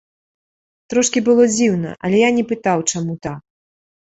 Трошкі было дзіўна, але я не пытаў, чаму так.